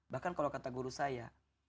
bahkan kalau kata guru saya